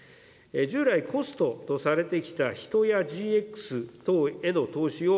従来、コストとされてきた人やＧＸ等への投資を、